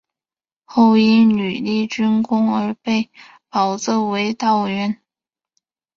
后因屡立军功而被保奏为道员。